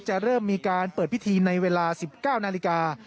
เริ่มมีการเปิดพิธีในเวลา๑๙นาฬิกา